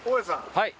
はい。